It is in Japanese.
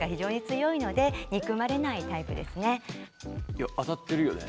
いや当たってるよね。